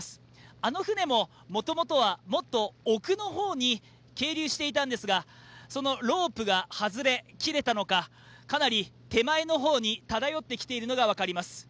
あの船ももともとはもっと奥の方に係留していたんですがそのロープが外れ、切れたのかかなり手前の方に漂ってきているのが分かります。